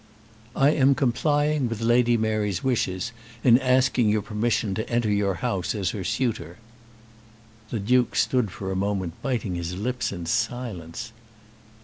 "I am complying with Lady Mary's wishes in asking your permission to enter your house as her suitor." The Duke stood for a moment biting his lips in silence.